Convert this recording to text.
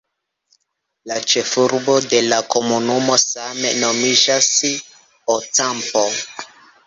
La ĉefurbo de la komunumo same nomiĝas "Ocampo".